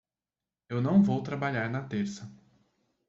Eu não vou trabalhar na terça.